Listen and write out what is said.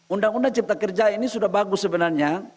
undang undang cipta kerja ini sudah bagus sebenarnya